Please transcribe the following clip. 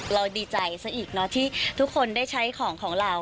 ดีใจซะอีกเนอะที่ทุกคนได้ใช้ของของเรา